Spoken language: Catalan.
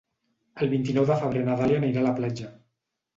El vint-i-nou de febrer na Dàlia anirà a la platja.